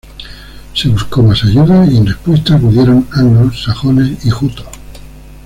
Se buscó más ayuda, y en respuesta acudieron anglos, sajones y jutos.